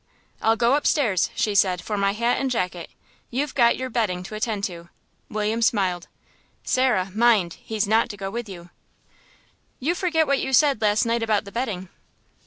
"I'll go upstairs," she said, "for my hat and jacket. You've got your betting to attend to." William smiled. "Sarah, mind, he's not to go with you." "You forget what you said last night about the betting."